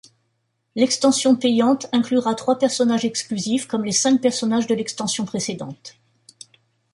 L'extension payante inclura trois personnages exclusifs, comme les cinq personnages de l'extension précédente.